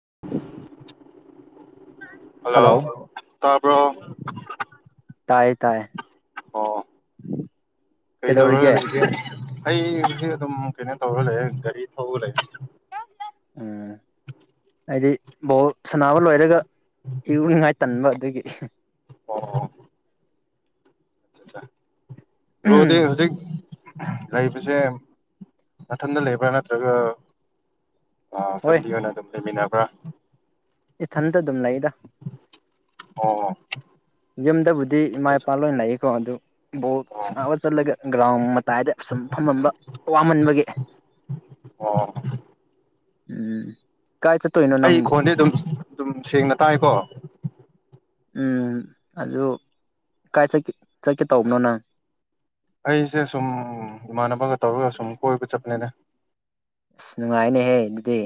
[inaudible] hello ꯇꯥꯕ꯭ꯔꯣ ꯇꯥꯏꯌꯦ ꯇꯥꯏꯌꯦ ꯑꯣ ꯀꯩꯗꯧꯔꯤꯒꯦ ꯀꯩꯗꯧꯔꯒ ꯂꯩꯒꯦ ꯑꯩ ꯗꯤ ꯑꯗꯨꯝ ꯀꯩꯅꯣ ꯇꯧꯔ ꯂꯩꯔꯦ ꯒꯥꯔꯤ ꯊꯧꯔ ꯂꯩ ꯎꯝ ꯍꯥꯏꯗꯤ ꯕꯣꯜ ꯁꯥꯟꯅꯕ ꯂꯣꯏꯔꯒ ꯏꯔꯨꯅꯤꯡꯉꯥꯏ ꯇꯟꯕ ꯑꯗꯒꯤ ꯑꯣ ꯆꯥꯆꯥ ꯕ꯭ꯔꯣꯗꯤ ꯍꯨꯖꯤꯛ ꯂꯩꯕꯁꯦ ꯅꯊꯟꯗ ꯂꯩꯕ꯭ꯔꯥ ꯅꯠꯇ꯭ꯔꯒ ꯑ ꯍꯣꯏ ꯐꯦꯃꯤꯂꯤꯒ ꯅꯪ ꯑꯗꯨꯝ ꯂꯩꯃꯤꯟꯅ ꯄꯨ꯭ꯔ ꯏꯊꯟꯇ ꯑꯗꯨꯝ ꯂꯩꯗ ꯑꯣ ꯌꯨꯝꯗꯕꯨꯗꯤ ꯏꯃꯥ ꯑꯠꯆꯥ ꯏꯄꯥ ꯂꯣꯏꯅ ꯂꯩ ꯀꯣ ꯑꯗꯨ ꯕꯣꯜ ꯑꯣ ꯁꯥꯟꯅꯕ ꯆꯠꯂꯒ ꯒ꯭ꯔꯥꯎꯟ ꯃꯇꯥꯏꯗ ꯁꯨꯝ ꯐꯝꯃꯝꯕ ꯋꯥꯃꯟꯕꯒꯤ ꯑꯣ ꯎꯝ ꯀꯥꯏ ꯆꯠꯇꯣꯏꯅꯣ ꯑꯩ ꯅꯪꯕꯨ ꯈꯣꯟꯗꯤ ꯑꯗꯨꯝ ꯑꯗꯨꯝ ꯁꯦꯡꯅ ꯇꯥꯏꯀꯣ ꯎꯝ ꯑꯗꯨ ꯀꯥꯏ ꯆꯠꯀꯦ ꯆꯠꯀꯦ ꯇꯧꯕꯅꯣ ꯅꯪ ꯑꯩꯁꯦ ꯁꯨꯝ ꯏꯃꯥꯟꯅꯕꯒ ꯇꯧꯔꯒ ꯁꯨꯝ ꯀꯣꯏꯕ ꯆꯠꯄꯅꯦꯗ ꯑꯁ ꯅꯨꯡꯉꯥꯏꯅꯦꯍꯦ ꯗꯨꯗꯤ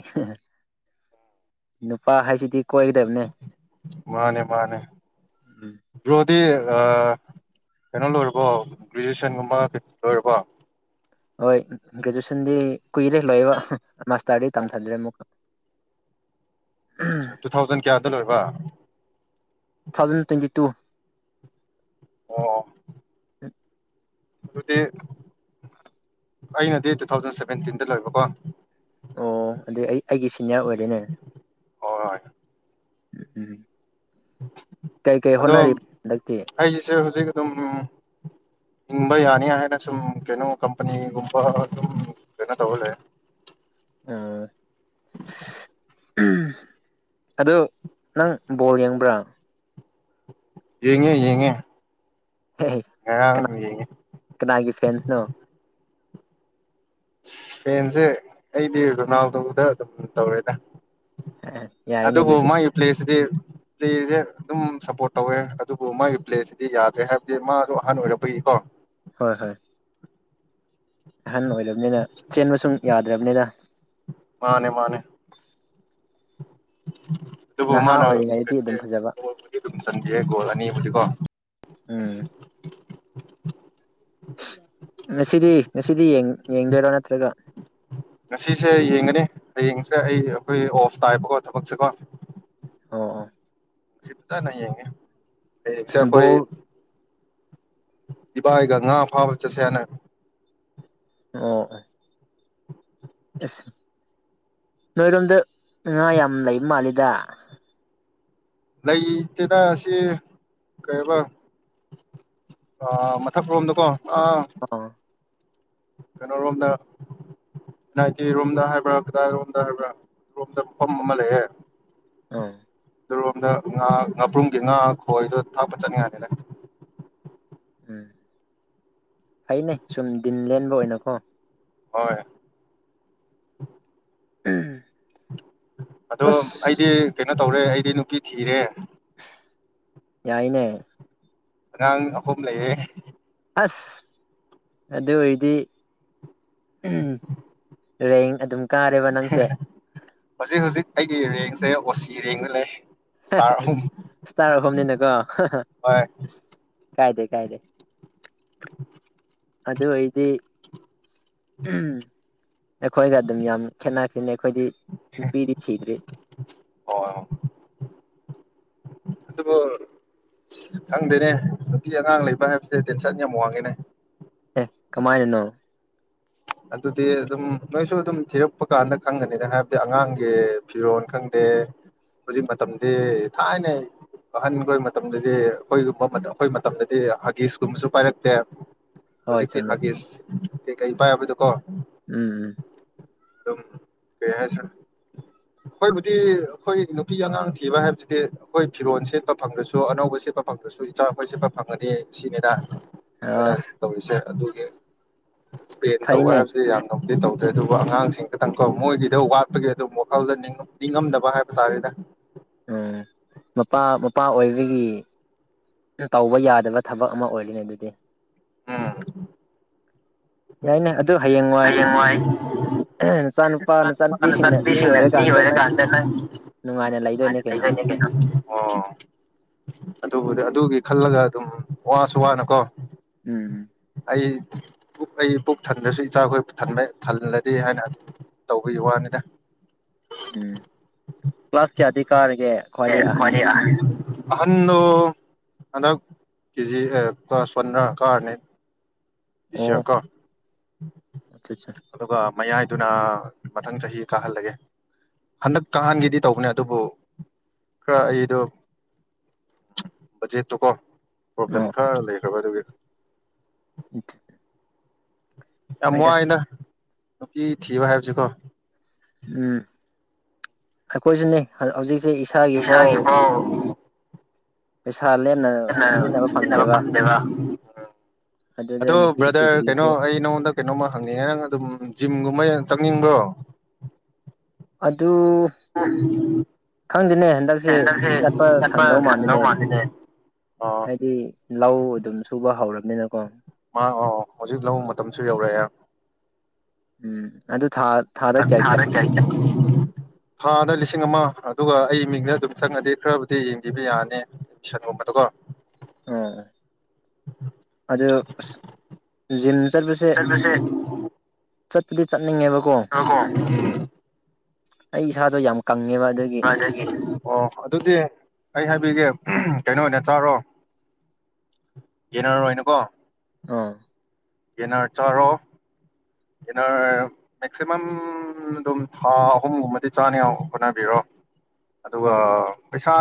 ꯅꯨꯄꯥ ꯍꯥꯏꯁꯤꯗꯤ ꯀꯣꯏꯒꯗꯕꯅꯦ ꯃꯥꯟꯅꯦ ꯃꯥꯟꯅꯦ ꯕ꯭ꯔꯣ ꯗꯤ ꯑꯥ ꯀꯩꯅꯣ ꯂꯣꯏꯔꯕꯣ ꯒ꯭ꯔꯦꯖꯨꯑꯦꯁꯟꯒꯨꯝꯕ ꯂꯣꯏꯔꯕꯣ ꯍꯣꯏ ꯒ꯭ꯔꯦꯖꯨꯋꯦꯁꯟꯗꯤ ꯀꯨꯏꯔꯦ ꯂꯣꯏꯕ ꯃꯥꯁꯇꯥꯔꯗꯤ ꯇꯝꯊꯗ꯭ꯔꯦ ꯑꯃꯨꯛꯀ ꯇꯨ ꯊꯥꯎꯖꯟ ꯀꯌꯥꯗ ꯂꯣꯏꯕ ꯇꯨ ꯊꯥꯎꯖꯟ ꯇ꯭ꯋꯦꯟꯇꯤ ꯇꯨ ꯑꯣ [inaudible] ꯑꯗꯨꯗꯤ ꯑꯩꯅꯗꯤ ꯇꯨ ꯊꯥꯎꯖꯟ ꯁꯚꯦꯟꯇꯤꯟꯗ ꯂꯣꯏꯕꯀꯣ ꯑꯣ ꯑꯗꯨꯗꯩ ꯑꯩ ꯑꯩꯒꯤ ꯁꯤꯅꯤꯌꯥꯔ ꯑꯣꯏꯔꯦꯅꯦ ꯍꯣꯏ ꯎꯝ ꯀꯩ ꯀꯩ ꯑꯗꯣ ꯍꯣꯠꯅꯔꯤ ꯍꯟꯗꯛꯇꯤ ꯑꯩꯒꯤꯁꯦ ꯍꯧꯖꯤꯛ ꯑꯗꯨꯝ ꯍꯤꯡꯕ ꯌꯥꯅꯤ ꯍꯥꯏꯅ ꯁꯨꯝ ꯀꯩꯅꯣ ꯀꯝꯄꯅꯤꯒꯨꯝꯕ ꯑꯗꯨꯝ ꯀꯩꯅꯣ ꯇꯧꯍ ꯂꯩ ꯑꯥ ꯑꯗꯨ ꯅꯪ ꯕꯣꯜ ꯌꯦꯡꯕ꯭ꯔꯥ ꯌꯦꯉꯦ ꯌꯉꯦ ꯑꯦ ꯀꯅꯥ ꯀꯅꯥꯒꯤ ꯐꯦꯟꯁꯅꯣ ꯐꯦꯟꯁꯦ ꯑꯩꯗꯤ ꯔꯣꯅꯥꯜꯗꯣꯗ ꯑꯗꯨꯝ ꯇꯧꯔꯦꯗ ꯌꯥꯏꯅꯦ ꯑꯗꯨꯕꯨ ꯑꯗꯨꯗꯤ ꯃꯥꯒꯤ ꯄ꯭ꯂꯦꯁꯤ ꯗꯤ ꯄ꯭ꯂꯦꯁꯦ ꯑꯗꯨꯝ ꯁꯞꯄꯣꯔꯠ ꯇꯧꯋꯦ ꯑꯗꯨꯕꯨ ꯃꯥꯒꯤ ꯄ꯭ꯂꯦꯁꯤꯗꯤ ꯌꯥꯗ꯭ꯔꯦ ꯍꯥꯏꯕꯗꯤ ꯃꯥꯗꯣ ꯑꯍꯟ ꯑꯣꯏꯔꯛꯄꯒꯤꯀꯣ ꯍꯣꯏ ꯍꯣꯏ ꯑꯍꯟ ꯑꯣꯏꯔꯕꯅꯤꯅ ꯆꯦꯟꯕ ꯁꯨꯝ ꯌꯥꯗ꯭ꯔꯕꯅꯤꯗ ꯃꯥꯅꯦ ꯃꯥꯅꯦ [inaudible] [unintelligible] ꯑꯗꯨꯕꯨ ꯃꯥꯅ ꯑꯣꯏꯔꯤꯉꯩꯗꯤ ꯑꯗꯨꯝ ꯐꯖꯕ ꯒꯣꯜꯕꯨꯗꯨ ꯑꯗꯨꯝ ꯆꯪꯒꯤ ꯒꯣꯜ ꯑꯅꯤ ꯁꯤ ꯀꯣ [inaudible] [unintelligible] [inaudible] [unintelligible] ꯃꯦꯁꯤꯗꯤ ꯉꯁꯤꯗꯤ ꯌꯦꯡꯗꯣꯏꯔꯣ ꯅꯠꯇ꯭ꯔꯒ ꯉꯁꯤꯁꯦ ꯌꯦꯡꯒꯅꯤ ꯍꯌꯦꯡꯁꯦ ꯑꯩ ꯑꯩꯈꯣꯏ ꯑꯣꯐ ꯇꯥꯏꯕꯀꯣ ꯊꯕꯛꯁꯦꯀꯣ ꯑꯣ ꯑꯣ ꯁꯤꯗꯅ ꯍꯥꯏꯒꯦ [inaudible] [unintelligible] ꯍꯌꯦꯪꯁꯦ ꯑꯁ ꯑꯩꯈꯣꯏ ꯕꯣꯜ ꯏꯕꯥꯏꯒ ꯉꯥ ꯐꯥꯕ ꯆꯠꯁꯦꯅ ꯑꯥ ꯑ ꯏꯁ ꯅꯣꯏꯔꯣꯝꯗ ꯉꯥ ꯌꯥꯝ ꯂꯩꯕ ꯃꯥꯜꯂꯤꯗ ꯂꯩꯇꯦꯗ ꯑꯁꯤ ꯀꯩꯕ ꯑꯥ ꯃꯊꯛ ꯂꯣꯝꯗꯀꯣ ꯑꯥ ꯑꯣ ꯀꯩꯅꯣ ꯔꯣꯝꯗ ꯑꯦꯟ ꯑꯥꯏꯇꯤ ꯔꯣꯝꯗ ꯍꯥꯏꯕ꯭ꯔꯥ ꯀꯗꯥꯏꯔꯣꯝꯗ ꯍꯥꯏꯕ꯭ꯔꯥ ꯔꯣꯝꯗ ꯃꯐꯝ ꯑꯃ ꯂꯩꯑꯦ ꯑꯣ ꯑꯗꯨꯔꯣꯝꯗ ꯉꯥ ꯉꯥꯄ꯭ꯔꯨꯝꯒꯤ ꯉꯥ ꯈꯣꯏꯗꯣ ꯊꯥꯛꯄ ꯆꯠꯅꯤꯡꯉꯥꯏꯅꯤꯗ ꯎꯝ ꯐꯩꯅꯦ ꯁꯨꯝ ꯗꯤꯟ ꯂꯦꯟꯕ ꯑꯣꯏꯅꯀꯣ ꯍꯣꯏ ꯎꯝ ꯑꯗꯣ ꯑꯩꯗꯤ ꯀꯩꯅꯣ ꯇꯧꯔꯦ ꯑꯩꯗꯤ ꯅꯨꯄꯤ ꯊꯤꯔꯦ ꯌꯥꯏꯅꯦ ꯑꯉꯥꯡ ꯑꯍꯨꯝ ꯂꯩꯌꯦ ꯑꯁ ꯑꯗꯨ ꯑꯣꯏꯔꯗꯤ ꯔꯦꯡ ꯑꯗꯨꯝ ꯀꯥꯔꯦꯕ ꯅꯪꯁꯦ ꯍꯧꯖꯤꯛ ꯍꯧꯖꯤꯛ ꯑꯩꯒꯤ ꯔꯦꯡꯁꯦ ꯑꯣꯁꯤ ꯔꯦꯡꯗ ꯂꯩ ꯏꯁꯇꯥꯔ ꯑꯍꯨꯝ ꯏꯁꯇꯥꯔ ꯑꯍꯨꯝꯅꯤꯅꯀꯣ ꯍꯣꯏ ꯀꯥꯏꯗꯦ ꯀꯥꯏꯗꯦ [unintelligible] ꯑꯗꯨ ꯑꯣꯏꯗꯤ ꯎꯝ ꯑꯩꯈꯣꯏꯒ ꯑꯗꯨꯝ ꯌꯥꯝ ꯈꯦꯠꯅꯈꯤꯅꯤ ꯑꯩꯈꯣꯏꯗꯤ ꯅꯨꯄꯤꯗꯤ ꯊꯤꯗ꯭ꯔꯤ ꯑꯣ ꯑꯗꯨꯕꯨ ꯈꯪꯗꯦꯅꯦ ꯅꯨꯄꯤ ꯑꯉꯥꯡ ꯂꯩꯕ ꯍꯥꯏꯕꯁꯦ ꯇꯦꯟꯁꯟ ꯌꯥꯝ ꯋꯥꯡꯉꯦꯅꯦ ꯑꯦ ꯀꯃꯥꯏꯅꯅꯣ ꯑꯗꯨꯗꯤ ꯑꯗꯨꯝ ꯅꯣꯏꯁꯨ ꯑꯗꯨꯝ ꯊꯤꯔꯛꯄ ꯀꯥꯟꯗ ꯈꯪꯒꯅꯤꯗ ꯍꯥꯏꯕꯗꯤ ꯑꯉꯥꯡꯒꯤ ꯐꯤꯔꯣꯜ ꯈꯪꯗꯦ ꯍꯧꯖꯤꯛ ꯃꯇꯝꯗꯤ ꯊꯥꯏꯅ ꯑꯍꯟꯈꯣꯏ ꯃꯇꯝꯗꯗꯤ ꯑꯩꯈꯣꯏꯒꯨꯝꯕ ꯑꯩꯈꯣꯏ ꯃꯇꯝꯗꯗꯤ ꯍꯒꯤꯁꯀꯨꯝꯕꯁꯨ ꯄꯥꯏꯔꯛꯇꯦ ꯍꯣꯏ ꯍꯧꯖꯤꯛꯇꯤ ꯆꯨꯝꯃꯦ ꯍꯒꯤꯁ ꯀꯩ ꯀꯩ ꯄꯥꯏ ꯀꯣ ꯎꯝ ꯎꯝ ꯑꯗꯨꯝ ꯀꯔꯤ ꯍꯥꯏꯁꯤꯔꯦ ꯑꯩꯈꯣꯏꯕꯨꯗꯤ ꯑꯩꯈꯣꯏ ꯅꯨꯄꯤ ꯑꯉꯥꯡ ꯊꯤꯕ ꯍꯥꯏꯕꯁꯤꯗꯤ ꯑꯩꯈꯣꯏ ꯐꯤꯔꯣꯜ ꯁꯦꯠꯄ ꯐꯪꯗ꯭ꯔꯁꯨ ꯑꯅꯧꯕ ꯁꯦꯠꯄ ꯐꯪꯗ꯭ꯔꯁꯨ ꯏꯆꯥꯄꯣꯏ ꯁꯦꯠꯄ ꯐꯪꯉꯅꯤ ꯁꯤꯅꯤꯅ ꯑꯩꯈꯣꯏꯅ ꯑꯁ ꯇꯧꯔꯤꯁꯦ [unintelligible] ꯇꯧꯕ ꯐꯩꯅꯦ ꯍꯥꯏꯕꯁꯦ ꯌꯥꯝꯅ ꯇꯧꯗ꯭ꯔꯦ ꯑꯗꯨꯕꯨ ꯑꯉꯥꯡꯁꯤꯡ ꯈꯇꯪ ꯀ ꯃꯣꯏꯒꯤꯗ ꯋꯥꯠꯄꯒꯤ ꯑꯗꯨꯝ ꯋꯥꯈꯜꯗ ꯅꯤꯡꯉꯝꯗꯕ ꯍꯥꯏꯕ ꯇꯥꯔꯦꯗ ꯎꯝ ꯃꯄꯥ ꯃꯄꯥ ꯑꯣꯏꯕꯒꯤ ꯇꯧꯕ ꯌꯥꯗꯕ ꯊꯕꯛ ꯑꯃ ꯑꯣꯏꯔꯤꯅꯤ ꯑꯗꯨꯗꯤ ꯎꯝ ꯌꯥꯏꯅ ꯑꯗꯨ ꯍꯌꯦꯡꯋꯥꯏ ꯅꯆꯥ ꯅꯆꯥ ꯅꯨꯄꯥ ꯅꯆꯥ ꯅꯨꯄꯤꯁꯤꯡꯅ ꯃꯤ ꯑꯣꯏꯔꯛꯀꯥꯟꯗ ꯅꯨꯡꯉꯥꯏꯅ ꯂꯩꯗꯣꯏꯅꯦ ꯀꯩꯅꯣ ꯑꯣ ꯑꯗꯨꯕꯨ ꯑꯗꯨꯒꯤ ꯈꯜꯂꯒ ꯑꯗꯨꯝ ꯋꯥꯁꯨ ꯋꯥꯅꯀꯣ ꯎꯝ ꯑꯩ ꯄꯨꯛ ꯑꯩ ꯊꯟꯗ꯭ꯔꯁꯨ ꯏꯆꯥꯈꯣꯏ ꯊꯜꯂꯗꯤ ꯍꯥꯏꯅ ꯇꯧꯕꯒꯤ ꯋꯥꯅꯤꯗ ꯎꯝ ꯀ꯭ꯂꯥꯁ ꯀꯌꯥꯗꯤ ꯀꯥꯔꯒꯦ ꯑꯦ ꯈ꯭ꯋꯥꯏꯗꯒꯤ ꯑꯍꯟ ꯃꯣꯏꯗꯤ ꯑꯍꯟꯗꯣ ꯍꯟꯗꯛ ꯀꯦꯖꯤ ꯑ ꯀ꯭ꯂꯥꯁ ꯋꯥꯟ ꯔ ꯀꯥꯔꯅꯤ ꯑꯣ [unintelligible] ꯑꯆꯥ ꯆꯥ ꯑꯗꯨꯒ ꯃꯌꯥꯏꯗꯨꯅ ꯃꯊꯪ ꯆꯍꯤ ꯀꯥꯍꯜꯂꯒꯦ ꯍꯟꯗꯛ ꯀꯥꯍꯟꯒꯤꯗꯤ ꯇꯧꯕꯅꯦ ꯑꯗꯨꯕꯨ ꯈꯔ ꯑꯩꯗꯣ ꯕꯖꯦꯠꯇꯨꯀꯣ ꯄ꯭ꯔꯣꯕ꯭ꯂꯦꯝ ꯑꯣ ꯈꯔ ꯂꯩꯈ꯭ꯔꯕ ꯑꯗꯨꯒꯤ ꯌꯥꯝ ꯍꯣꯏꯗ ꯋꯥꯏꯗ ꯅꯨꯄꯤ ꯊꯤꯕ ꯍꯥꯏꯕꯁꯤꯀꯣ ꯎꯝ ꯑꯩꯈꯣꯏꯁꯨꯅꯦ ꯍꯧꯖꯤꯛ ꯑꯩ ꯏꯁꯥꯒꯤ ꯐꯧ ꯏꯁꯥꯒꯤꯐꯥꯎ ꯁꯤꯖꯤꯟꯅꯕ ꯐꯪꯗꯦꯕ ꯎꯝ ꯑꯗꯨꯗ ꯑꯗꯣ ꯅꯨꯄꯤ ꯕ꯭ꯔꯗꯔ ꯀꯩꯅꯣ ꯊꯤꯖꯤꯜꯂꯗꯤ ꯑꯩ ꯅꯉꯣꯟꯗ ꯀꯩꯅꯣꯝꯃ ꯍꯪꯅꯤꯡꯉꯦ ꯅꯪ ꯑꯗꯨꯝ ꯖꯤꯝꯒꯨꯝꯕ ꯇꯝꯅꯤꯡꯕ꯭ꯔꯣ ꯑꯗꯨ ꯍꯪꯒꯤꯅꯦ ꯍꯟꯗꯛꯁꯦ ꯆꯠꯄ ꯁꯪꯗꯧ ꯃꯥꯟꯗꯅꯦ ꯑꯣ ꯍꯥꯏꯗꯤ ꯂꯧ ꯑꯗꯨꯝ ꯁꯨꯕ ꯍꯧꯔꯒ [unintelligible] ꯃꯥ ꯑꯣ ꯍꯧꯖꯤꯛ ꯂꯧ ꯃꯇꯝꯁꯨ ꯌꯧꯔꯛꯑꯦ ꯎꯝ ꯑꯗꯨ ꯊꯥꯗ ꯀꯌꯥ ꯀꯌꯥ ꯊꯥꯗ ꯂꯤꯁꯤꯡ ꯂꯤꯁꯤꯡ ꯑꯃ ꯑꯗꯨꯒ ꯑꯩ ꯃꯤꯡꯗ ꯑꯗꯨꯝ ꯆꯪꯉꯗꯤ ꯈꯔꯕꯨꯗꯤ ꯌꯦꯡꯕꯤꯕ ꯌꯥꯅꯤ ꯑꯦꯃꯤꯁꯟꯒꯨꯝꯕꯗꯀꯣ ꯑꯣ ꯑꯗꯨ ꯑꯁ ꯖꯤꯝ ꯆꯠꯄꯁꯦ ꯆꯠꯂꯨꯁꯦ ꯆꯠꯂꯤ ꯆꯠ ꯀꯣ ꯎꯝ ꯑꯩ ꯁꯥꯥꯗ ꯌꯥꯝ ꯀꯪꯉꯦꯕ ꯑꯗꯨꯒꯤ ꯑꯣ ꯑꯗꯨꯗꯤ ꯑꯩ ꯍꯥꯏꯕꯤꯒꯦ ꯀꯩꯅꯣ ꯑꯣꯏꯅ ꯆꯥꯔꯣ ꯌꯦꯟꯅꯔꯔꯣꯏꯅꯀꯣ ꯑꯥ ꯌꯦꯅꯔ ꯆꯔꯣ ꯏꯟꯅꯔ ꯃꯦꯛꯁꯤꯃꯝ ꯑꯗꯨꯝ ꯊꯥ ꯑꯍꯨꯝꯒꯨꯝꯕꯗꯤ ꯆꯥꯅ ꯍꯣꯠꯅꯕꯤꯔꯣ ꯑꯗꯨꯒ ꯑꯥ ꯄꯩꯁꯥ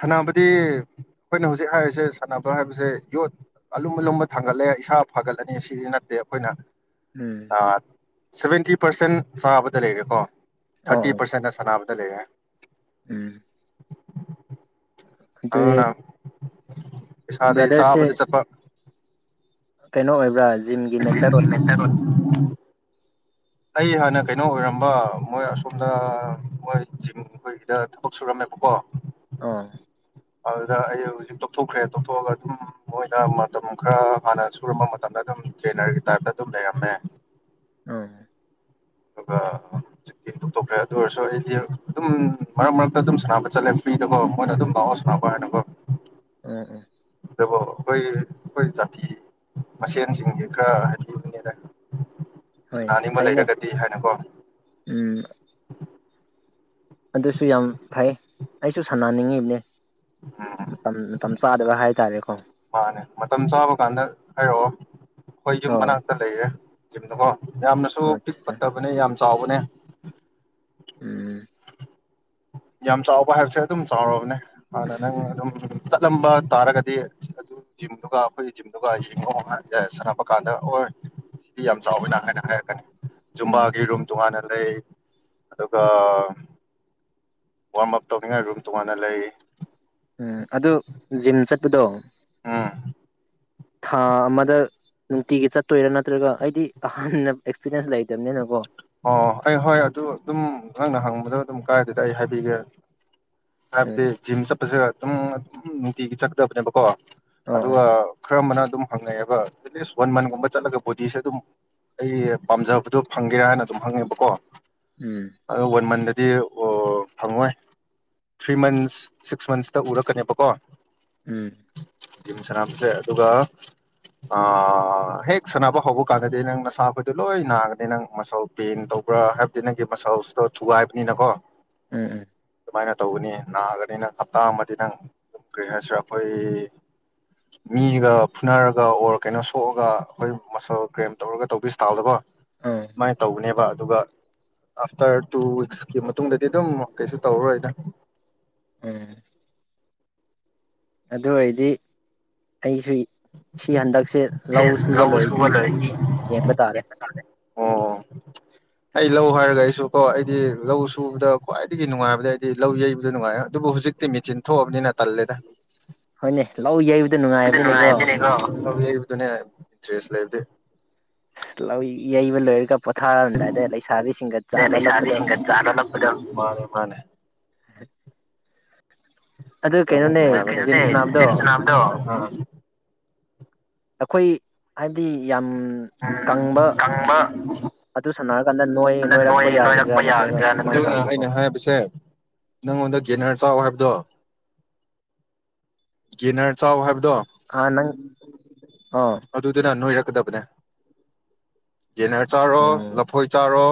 ꯁꯥꯟꯅꯕꯗꯤ ꯑꯩꯈꯣꯏꯅ ꯍꯧꯖꯤꯛ ꯍꯥꯏꯔꯤꯁꯦ ꯁꯥꯟꯅꯕ ꯍꯥꯏꯕꯁꯦ ꯌꯣꯠ ꯑꯂꯨꯝ ꯑꯂꯨꯝꯕ ꯊꯥꯡꯒꯠꯂꯦ ꯏꯁꯥ ꯐꯒꯠꯂꯅꯤ ꯁꯤꯗꯤ ꯅꯠꯇꯦ ꯑꯩꯈꯣꯏꯅ ꯎꯝ ꯁꯚꯦꯟꯇꯤ ꯄꯥꯔꯁꯦꯟ ꯆꯥꯕꯗ ꯂꯩꯔꯦꯀꯣ ꯑꯥ ꯊꯥꯔꯇꯤ ꯄꯔꯁꯦꯟꯅ ꯁꯥꯟꯅꯕꯗ ꯗꯂꯩꯔꯦ ꯎꯝ ꯑꯗꯨꯗꯤ ꯑꯗꯨꯅ ꯄꯩꯁꯥꯗꯤ ꯕ꯭ꯔꯗꯔꯁꯦ ꯆꯥꯕꯗꯤ ꯆꯠꯄ ꯀꯩꯅꯣ ꯑꯣꯏꯕ꯭ꯔꯥꯖ ꯖꯤꯝꯒꯤ ꯃꯦꯟꯇꯔ ꯑꯣꯏ ꯑꯩ ꯍꯥꯟꯅ ꯀꯩꯅꯣ ꯑꯣꯏꯔꯝꯕ ꯃꯣꯏ ꯑꯁꯣꯝꯗ ꯃꯣꯏ ꯆꯤꯡ ꯑꯩꯈꯣꯏꯒꯤꯗ ꯊꯕꯛ ꯁꯨꯔꯝꯃꯦꯕꯀꯣ ꯑ ꯑꯗꯨꯗ ꯑꯩ ꯍꯧꯖꯤꯛ ꯇꯣꯛꯊꯣꯛꯈ꯭ꯔꯦ ꯇꯣꯛꯊꯣꯛꯑꯒ ꯑꯗꯨꯝ ꯃꯣꯏꯅ ꯃꯇꯝ ꯈꯔ ꯍꯥꯟꯅ ꯁꯨꯔꯝꯕ ꯃꯇꯝꯗ ꯑꯗꯨꯝ ꯇꯦꯅꯔꯒꯤ ꯇꯥꯏꯞꯇ ꯑꯗꯨꯝ ꯂꯩꯔꯝꯃꯦ ꯑꯣ ꯑꯗꯨꯒ ꯍꯧꯖꯤꯛꯇꯤ ꯇꯊꯣꯛꯈ꯭ꯔꯦ ꯑꯗꯨ ꯑꯣꯏꯔꯁꯨ ꯑꯩꯗꯤ ꯑꯗꯨꯝ ꯃꯔꯛ ꯃꯔꯛꯇ ꯑꯗꯨꯝ ꯁꯥꯟꯅꯕ ꯆꯠꯂꯦ ꯐ꯭ꯔꯤꯗꯀꯣ ꯃꯣꯏꯅ ꯑꯗꯨꯝ ꯂꯥꯛꯑꯣ ꯁꯥꯟꯅꯕ ꯍꯥꯏꯅꯀꯣ ꯎꯝ ꯎꯝ ꯑꯗꯨꯕꯨ ꯑꯩꯈꯣꯏ ꯑꯩꯈꯣꯏ ꯖꯥꯇꯤ ꯃꯁꯦꯟꯁꯤꯡꯁꯦ ꯈꯔ ꯍꯥꯏꯕꯤꯕꯅꯤꯗ ꯍꯣꯏꯅꯦ ꯁꯅꯥꯅꯤꯡꯕ ꯐꯩꯅꯦ ꯂꯩꯔꯒꯗꯤ ꯍꯥꯏꯅꯀꯣ ꯎꯝ ꯑꯗꯨꯁꯨ ꯌꯥꯝ ꯐꯩ ꯑꯩꯁꯨ ꯁꯥꯟꯅꯅꯤꯡꯉꯤꯕꯅꯦ ꯎꯝ ꯊꯝ ꯆꯥꯗꯕ ꯍꯥꯏ ꯇꯔꯦ ꯃꯥꯅꯦ ꯃꯇꯝ ꯆꯥꯕ ꯀꯥꯟꯗ ꯍꯥꯏꯔꯛꯑꯣ ꯑꯩꯈꯣꯏ ꯌꯨꯝ ꯍꯣꯏ ꯃꯅꯥꯛꯇ ꯂꯩꯔꯦ ꯍꯣ ꯌꯥꯝꯅꯁꯨ ꯑꯠꯆꯥ ꯄꯤꯛꯄꯠꯇꯕꯅꯦ ꯌꯥꯝ ꯆꯥꯎꯕꯅꯦ ꯎꯝ ꯌꯥꯝ ꯆꯥꯎꯕ ꯍꯥꯏꯕꯁꯦ ꯑꯗꯨꯝ ꯆꯥꯎꯔꯕꯅꯦ ꯍꯥꯟꯅ ꯅꯪ ꯑꯗꯨꯝ ꯆꯠꯂꯝꯕ ꯇꯥꯔꯒꯗꯤ ꯑꯗꯨ ꯖꯤꯝꯗꯨꯒ ꯑꯩꯈꯣꯏꯒꯤ ꯖꯤꯝꯗꯨꯒ ꯌꯦꯡꯉꯣ ꯍꯥꯏ ꯁꯥꯟꯅꯕ ꯀꯥꯟꯗ ꯍꯣꯏ ꯁꯤꯗꯤ ꯌꯥꯝ ꯆꯥꯎꯋꯤꯅ ꯍꯥꯏꯅ ꯍꯥꯏꯔꯛꯀꯅꯤ ꯎꯝ ꯖꯨꯝꯕꯥꯒꯤ ꯔꯨꯝ ꯇꯣꯉꯥꯟꯅ ꯂꯩ ꯑꯗꯨꯒ ꯋꯥꯔꯝ ꯑꯞ ꯇꯧꯗꯤꯡꯉꯥꯏꯔꯁꯨ ꯇꯉꯥꯟꯅ ꯂꯩꯔꯤ ꯎꯝ ꯑꯗꯨ ꯖꯤꯝ ꯆꯠꯄꯗꯣ ꯎꯝ ꯊꯥ ꯑꯃꯗ ꯅꯨꯡꯇꯤꯒꯤ ꯆꯠꯇꯣꯏꯔꯥ ꯅꯠꯇ꯭ꯔꯒ ꯑꯩꯗꯤ ꯑꯍꯥꯟꯕ ꯑꯦꯛꯁꯄꯤꯔꯤꯟꯁ ꯂꯩꯇꯕꯅꯤꯅꯀꯣ ꯑꯣ ꯑꯩ ꯍꯣꯏ ꯑꯗꯨ ꯑꯗꯨꯝ ꯅꯪꯅ ꯍꯪꯕꯗ ꯑꯗꯨꯝ ꯀꯥꯏꯗꯗꯤ ꯑꯩ ꯍꯥꯏꯕꯤꯒꯦ ꯎꯝ ꯍꯥꯏꯕꯗꯤ ꯖꯤꯝ ꯆ ꯄꯁ ꯑꯗꯨꯝ ꯅꯨꯡꯇꯤꯒꯤ ꯆꯠꯀꯗꯕꯅꯦꯕꯀꯣ ꯑꯣ ꯑꯣ ꯑꯗꯨꯒ ꯀꯔꯝꯕꯅ ꯑꯗꯨꯝ ꯍꯪꯉꯛꯑꯦꯕ ꯑꯦꯠꯂꯤꯁ ꯋꯥꯟ ꯃꯟꯒꯨꯝꯕ ꯆꯠꯂꯒ ꯕꯣꯗꯤꯁꯦ ꯑꯗꯨꯝ ꯑꯩ ꯄꯥꯝꯖꯕꯗꯣ ꯐꯪꯒꯦꯔꯥ ꯍꯥꯏꯅ ꯑꯗꯨꯝ ꯍꯪꯉꯦꯕꯀꯣ ꯎꯝ ꯑꯗꫭ ꯋꯥꯟ ꯃꯟ ꯗꯤ ꯑꯣ ꯐꯪꯉꯣꯏ ꯊ꯭ꯔꯤ ꯃꯟꯁ ꯁꯤꯛꯁ ꯃꯟꯁꯇ ꯎꯔꯛꯀꯅꯦꯕꯀꯣ ꯎꯝ ꯖꯤꯝ ꯁꯥꯟꯅꯕꯁꯦ ꯑꯗꯨꯒ ꯑ ꯍꯦꯛ ꯁꯥꯟꯅꯕ ꯍꯧꯕ ꯀꯥꯟꯗꯗꯤ ꯅꯪ ꯅꯁꯥ ꯑꯩꯈꯣꯏꯗꯣ ꯂꯣꯏ ꯅꯥꯒꯅꯤ ꯅꯪ ꯃꯁꯜ ꯄꯦꯟ ꯇꯧꯕ꯭ꯔꯥ ꯍꯥꯏꯕꯗꯤ ꯅꯪꯒꯤ ꯃꯁꯥꯎꯁꯤꯗꯣ ꯊꯨꯒꯥꯏꯕꯅꯤꯅꯀꯣ ꯎꯝ ꯎꯝ ꯁꯃꯥꯏꯅ ꯇꯧꯒꯅꯤ ꯅꯥꯑꯒꯅꯤ ꯅꯪ ꯍꯞꯇꯥ ꯑꯃꯗꯤ ꯅꯪꯝ ꯀꯔꯤ ꯍꯥꯏꯁꯤꯔ ꯑꯩꯈꯣꯏ ꯃꯤꯒ ꯐꯨꯅꯔꯒ ꯑꯣꯔ ꯀꯩꯅꯣ ꯁꯣꯛꯑꯒ ꯑꯩꯈꯣꯏ ꯃꯁꯜ ꯀꯒ꯭ꯔꯦꯝ ꯇꯧꯔꯒ ꯇꯧꯕꯤꯁ ꯇꯥꯎꯗꯀꯣ ꯑꯣ ꯑꯗꯨꯃꯥꯏ ꯇꯧꯅꯦꯕ ꯑꯗꯨꯒ ꯑꯥꯐꯇꯔ ꯇꯨ ꯋꯤꯛꯁ ꯃꯇꯨꯡꯗꯗꯤ ꯑꯗꯨꯝ ꯀꯩꯁꯨ ꯇꯧꯔꯔꯣꯏꯗ ꯎꯝ ꯑꯗꯨ ꯑꯣꯏꯔꯗꯤ ꯑꯩꯁꯨ ꯁꯤ ꯍꯟꯗꯛꯁꯦ ꯂꯧ ꯁꯨꯕ ꯂꯣꯏꯔꯗꯤ ꯂꯣꯏ ꯌꯦꯡꯕ ꯇꯥꯔꯦ ꯑꯣ ꯑꯩ ꯂꯧ ꯍꯥꯏꯔꯒ ꯑꯩꯁꯨ ꯀꯣ ꯑꯩꯗꯤ ꯂꯧ ꯁꯨꯕꯗ ꯈ꯭ꯋꯥꯏꯗꯒꯤ ꯅꯨꯡꯉꯥꯏꯕ ꯑꯗꯨꯗꯏꯗꯤ ꯂꯧ ꯌꯩꯕꯗ ꯅꯨꯡꯉꯥꯏ ꯑꯗꯨꯕꯨ ꯍꯧꯖꯤꯛꯇꯤ ꯃꯦꯆꯤꯟ ꯊꯣꯛꯑꯕꯅꯤꯅ ꯇꯜꯂꯦꯗ ꯍꯣꯏꯅꯦ ꯂꯧ ꯌꯩ ꯅꯨꯡꯥꯏꯕꯅꯦ ꯀꯣ [unintelligible] [unintelligible] ꯂꯧ ꯌꯩꯕ ꯂꯣꯢꯔꯒ ꯄꯣꯊꯥꯔꯝꯗꯥꯏꯗ ꯂꯩꯁꯥꯕꯤꯁꯤꯡꯒ ꯆꯥ ꯑꯗꯩ ꯂꯣꯜꯂꯛꯄꯗꯣ ꯂꯩꯁꯥꯕꯤꯁꯤꯡꯒ ꯆꯥꯔꯂꯛꯄꯗꯣ ꯃꯥꯅꯦ ꯃꯥꯅꯦ ꯑ ꯖꯤꯝ [inaudible] ꯁꯥꯟꯅꯕꯗꯣ ꯖꯤꯝ ꯁꯥꯅꯕꯥ ꯗꯣ ꯑꯈꯣꯏ ꯍꯥꯏꯗꯤ ꯌꯥꯝ ꯎꯝ ꯀꯪꯕ ꯑꯗꯨ ꯁꯥꯟꯅꯔꯀꯥꯟꯗ ꯅꯣꯏ ꯀꯪꯕꯗ ꯅꯣꯏꯔꯛꯄ ꯌꯥꯒꯗ꯭ꯔꯥ ꯅꯣꯏꯔꯛꯄ ꯅꯠꯇ꯭ꯔꯒ ꯌꯥꯒꯗꯅ ꯀꯃꯥꯏꯅ ꯇꯧꯕ꯭ꯔꯣꯀꯣ ꯑꯩꯅ ꯍꯥꯏꯕꯁꯦ ꯅꯪꯉꯣꯟꯗ ꯒꯦꯅꯔ ꯆꯥꯎ ꯍꯥꯏꯕꯗꯣ ꯒꯤꯅꯔ ꯆꯥꯎ ꯍꯥꯏꯕ ꯑ ꯅꯪ ꯍꯝ ꯑꯗꯨꯗꯤꯅꯥ ꯅꯣꯢꯔꯛ ꯀꯗꯕꯅꯦ ꯒꯦꯟꯅꯔ ꯆꯥꯔꯣ ꯎꯝ ꯂꯐꯣꯏ ꯆꯥꯔꯣ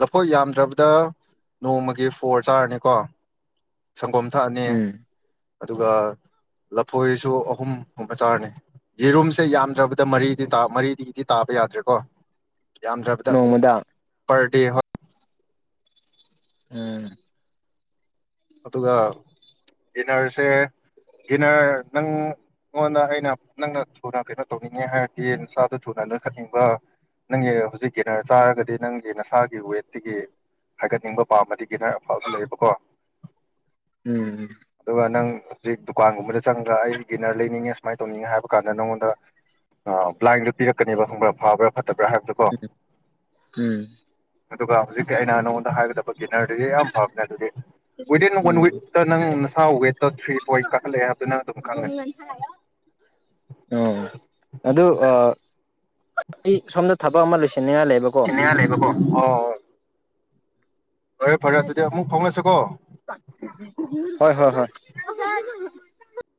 ꯂꯐꯣꯏ ꯌꯥꯝꯗ꯭ꯔꯕꯗ ꯅꯣꯡꯃꯒꯤ ꯐꯣꯔ ꯆꯥꯔꯅꯤꯀꯣ ꯁꯪꯒꯣꯝ ꯊꯛꯑꯅꯤ ꯎꯝ ꯑꯗꯨꯒ ꯂꯐꯣꯏꯁꯨ ꯑꯍꯨꯝ ꯍꯨꯝꯕ ꯆꯥꯔꯥꯅꯤ ꯌꯦꯔꯨꯝꯁꯦ ꯌꯥꯝ ꯭ꯗꯔꯕꯗ ꯃꯔꯤꯗꯤ ꯃꯔꯤꯗꯤ ꯗꯤ ꯇꯥꯕ ꯌꯥꯗ꯭ꯔꯦꯀꯣ ꯌꯥꯝꯗ꯭ꯔꯕꯗ ꯅꯣꯡꯃꯗ ꯗꯦ ꯍ ꯎꯝ ꯑꯗꯨꯒ ꯒꯤꯅꯔꯁꯦ ꯒꯤꯅꯔ ꯅꯪꯉꯣꯟꯗ ꯑꯩꯅ ꯅꯪꯅ ꯊꯨꯅ ꯀꯩꯅꯣ ꯇꯧꯅꯤꯡꯉꯦ ꯍꯥꯏꯔꯗꯤ ꯅꯁꯥꯗꯣ ꯊꯨꯅ ꯂꯈꯠꯅꯤꯡꯕ ꯅꯪꯒꯤ ꯍꯧꯖꯤꯛ ꯒꯤꯅꯔ ꯆꯥꯔꯒꯗꯤ ꯅꯪꯒꯤ ꯅꯁꯥꯒꯤ ꯋꯦꯠꯇꯒꯤ ꯍꯥꯏꯒꯠꯅꯤꯡꯕ ꯄꯥꯝꯕꯗꯤ ꯒꯤꯅꯔ ꯑꯐꯕ ꯂꯩꯌꯦꯕ ꯀꯣ ꯎꯝ ꯑꯗꯨꯒ ꯅꯪ ꯍꯧꯖꯤꯛ ꯗꯨꯀꯥꯟꯒꯨꯝꯕꯗ ꯆꯪꯉꯒ ꯑꯩ ꯒꯤꯅꯔ ꯂꯩꯅꯤꯡꯉꯦ ꯁꯨꯃꯥꯏꯅ ꯇꯧꯅꯤꯡꯉꯦ ꯍꯥꯏꯕ ꯀꯥꯟꯗ ꯅꯉꯣꯟꯗ ꯂꯥꯏꯟꯗꯣ ꯄꯤꯔꯛꯀꯅꯦꯕ ꯈꯪꯕ꯭ꯔꯥ ꯐꯥꯕ꯭ꯔꯥ ꯐꯠꯇ ꯇꯕ꯭ꯔꯥ ꯍꯥꯏꯕꯗꯀꯣ ꯎꯝ ꯑꯗꯨꯒ ꯍꯧꯖꯤꯛꯤ ꯑꯩꯅ ꯅꯉꯣꯟꯗ ꯍꯥꯏꯒꯗꯕ ꯒꯤꯅꯔꯗꯒꯤ ꯌꯥꯝ ꯐꯥꯕꯅꯦ ꯑꯗꯨꯗꯤ ꯋꯤꯗꯤꯟ ꯋꯥꯟ ꯎꯝ ꯋꯤꯛꯇ ꯅꯪ ꯅꯁꯥ ꯋꯦꯠꯇ ꯊ꯭ꯔꯤ ꯄꯣꯏꯟ ꯀꯥꯈꯠꯂꯑꯦ ꯍꯥꯏꯕꯗꯨꯝ ꯅꯪ ꯑꯗꯨꯝ ꯈꯪꯒꯅꯤ ꯑꯣ ꯑꯗꯨ ꯑꯩ ꯁꯣꯝꯗ ꯊꯕꯛ ꯑꯃ ꯂꯩꯁꯤ ꯍꯦꯅꯤ ꯌꯥ ꯂꯩꯕꯀꯣ ꯑꯧꯍ ꯍꯩꯅꯗꯦꯅ ꯇꯥ ꯐꯥꯎꯅꯁꯤꯀꯣ ꯍꯣꯏ ꯍꯣꯏ ꯍꯣꯏ ꯑ ꯍ